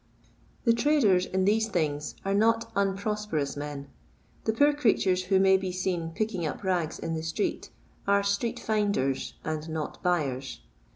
The traders in these things are not unpros perous men. The poor creatures who may be seen picking up rags in the street ara " street finders," and not buyers.